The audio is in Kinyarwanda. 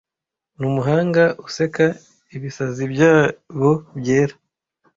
numuhanga useka ibisazi byabo byera